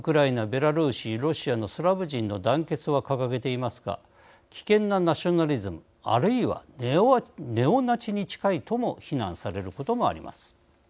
ベラルーシロシアのスラブ人の団結は掲げていますが危険なナショナリズムあるいはネオナチに近いとも非難されることもあります。